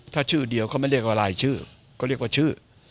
ถ้าชื่อเดียวเขาไม่เรียกว่ารายชื่อก็เรียกว่าชื่อ